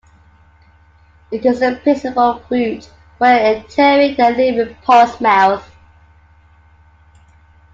It is the principal route for entering and leaving Portsmouth.